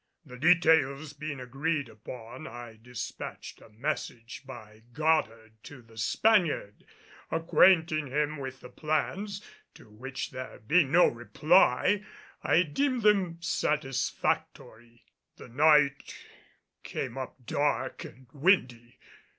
The details being agreed upon I despatched a message by Goddard to the Spaniard acquainting him with the plans; to which there being no reply, I deemed them satisfactory. The night came up dark and windy.